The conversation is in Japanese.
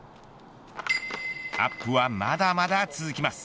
アップはまだまだ続きます。